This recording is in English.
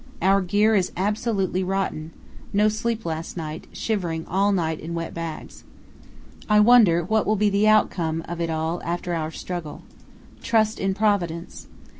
Our gear is absolutely rotten, no sleep last night, shivering all night in wet bags. I wonder what will be the outcome of it all after our struggle. Trust in Providence.